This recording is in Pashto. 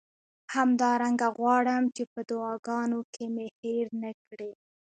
همدارنګه غواړم چې په دعاګانو کې مې هیر نه کړئ.